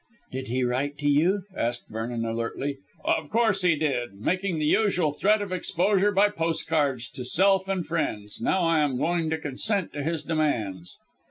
"Did he write to you?" asked Vernon alertly. "Of course he did, making the usual threat of exposure by postcards to self and friends. Now I am going to consent to his demands."